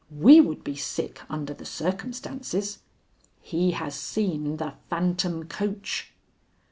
We would be sick under the circumstances. _He has seen the phantom coach.